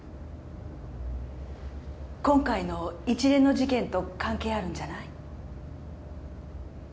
今回の一連の事件と関係あるんじゃない？